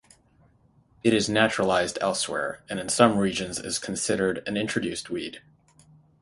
It is naturalised elsewhere, and in some regions is considered an introduced weed.